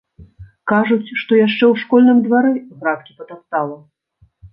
Кажуць, што яшчэ ў школьным двары градкі патаптала.